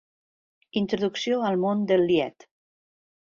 Introducció al món del Lied.